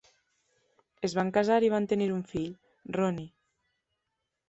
Es van casar i van tenir un fill, Ronnie.